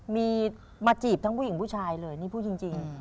มีมาจีบทั้งผู้หญิงผู้ชายเลยนี่พูดจริง